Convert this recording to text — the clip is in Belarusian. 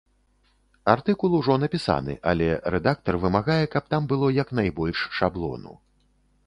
Артыкул ужо напісаны, але рэдактар вымагае, каб там было як найбольш шаблону.